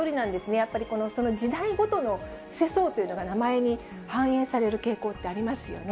やっぱりその時代ごとの世相というのが名前に反映される傾向ってありますよね。